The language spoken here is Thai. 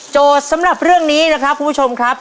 สำหรับเรื่องนี้นะครับคุณผู้ชมครับ